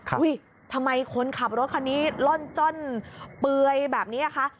ทำไมคนขับรถคันนี้ล่อนจ้อนเปลือยแบบนี้คะ